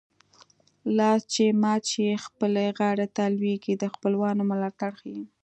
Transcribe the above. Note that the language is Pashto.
لاس چې مات شي خپلې غاړې ته لوېږي د خپلوانو ملاتړ ښيي